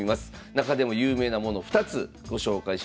中でも有名なもの２つご紹介しましょう。